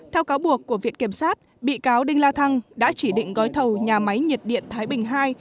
theo cáo buộc của viện kiểm sát bị cáo đinh la thăng đã chỉ định gói thầu nhà máy nhiệt điện thái bình ii